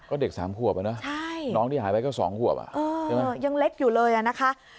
ก็เด็ก๓ขวบอะนะน้องที่หายไปก็๒ขวบยังเล็กอยู่เลยอะนะคะ